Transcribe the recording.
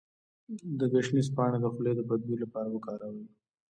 د ګشنیز پاڼې د خولې د بد بوی لپاره وکاروئ